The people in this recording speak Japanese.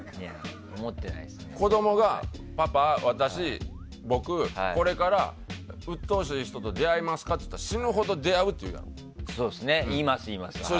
子供が、パパ私、僕、これからうっとうしい人と出会いますか？って聞いたら死ぬほど出会うって言うでしょ。